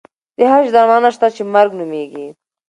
د هر شي درملنه شته چې مرګ نومېږي.